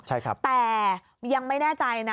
ใช่ครับแต่ยังไม่แน่ใจนะ